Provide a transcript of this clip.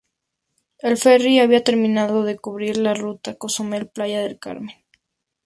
El ferry había terminado de cubrir la ruta Cozumel-Playa del Carmen.